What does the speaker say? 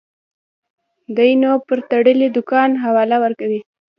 دى نو پر تړلي دوکان حواله ورکوي.